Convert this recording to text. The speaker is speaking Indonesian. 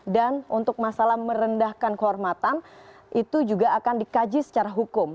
dan untuk masalah merendahkan kehormatan itu juga akan dikaji secara hukum